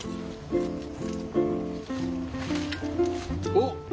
おっ！